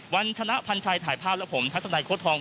วันชนะพันชัยถ่ายภาพและผมทัศนัยโค้ทอง